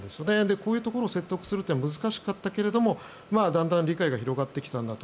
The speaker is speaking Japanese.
こういうところを説得するというのは難しかったけどもだんだん理解が広がってきたんだと。